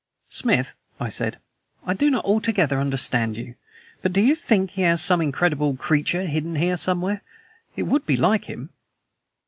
"Smith," I said, "I do not altogether understand you; but do you think he has some incredible creature hidden here somewhere? It would be like him."